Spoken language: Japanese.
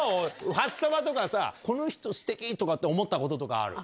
ファッサマとかさ、この人すてきとかって思ったこととかある？